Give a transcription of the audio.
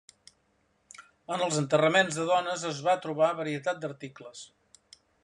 En els enterraments de dones es va trobar varietat d'articles.